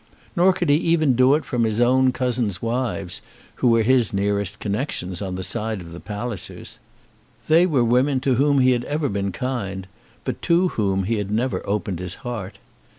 Nor could he even do it from his own cousins' wives, who were his nearest connections on the side of the Pallisers. They were women to whom he had ever been kind, but to whom he had never opened his heart.